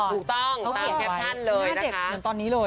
ถูกต้องตามแคปชั่นเลยนะคะหน้าเด็กเหมือนตอนนี้เลย